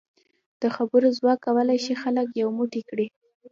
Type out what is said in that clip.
د خبرو ځواک کولای شي خلک یو موټی کړي.